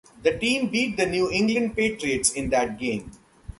The team beat the New England Patriots in that game.